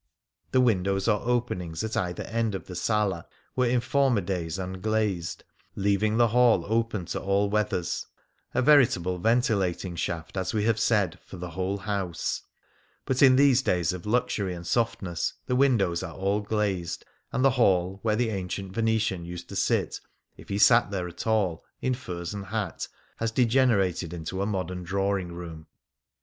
The windows or openings at either end of the sala were in former days unglazed, leaving the hall open to all weathers — a veritable ventilating shaft, as we have said, for the whole house ; but in these days of luxury and softness the win dows are all glazed ; and the hall where the ancient Venetian used to sit, if he sat there at all, in furs and hat, has degenerated into a modern drawing room.